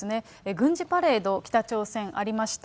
軍事パレード、北朝鮮ありました。